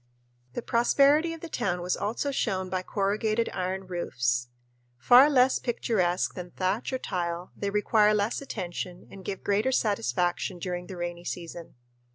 The prosperity of the town was also shown by corrugated iron roofs. Far less picturesque than thatch or tile, they require less attention and give greater satisfaction during the rainy season.